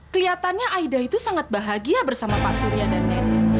kelihatannya aida itu sangat bahagia bersama pak surya dan nenek